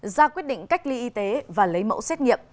ra quyết định cách ly y tế và lấy mẫu xét nghiệm